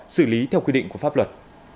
xử lý theo quy định của pháp luật